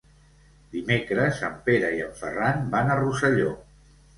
Dimecres en Pere i en Ferran van a Rosselló.